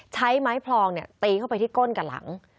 ใช้ไม้พลองตีเข้าไปที่ก้นกับหลัง